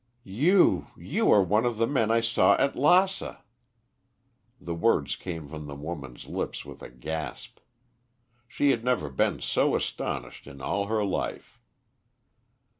"You, you are one of the men I saw at Lassa." The words came from the woman's lips with a gasp. She had never been so astonished in all her life.